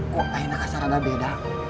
kok ada yang beda